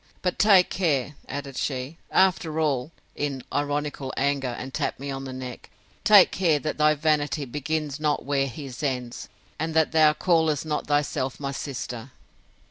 But take care, added she, after all, in ironical anger, and tapped me on the neck, take care that thy vanity begins not where his ends; and that thou callest not thyself my sister.